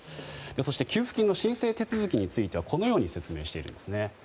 そして、給付金の申請手続きについてはこのように説明しているんですね。